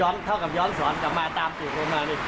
โอ้ยร้านเลยร้านท่าต้มอยู่ยังไม่รู้เลย